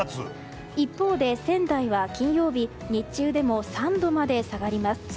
一方で、仙台は金曜日日中でも３度まで下がります。